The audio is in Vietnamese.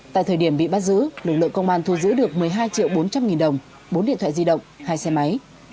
tại thời điểm bị bắt giữ lực lượng công an thu giữ được một mươi hai triệu bốn trăm linh nghìn đồng bốn điện thoại di động hai xe máy